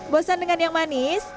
bosan dengan yang manis